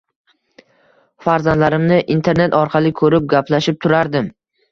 Farzandlarimni internet orqali ko`rib, gaplashib turardim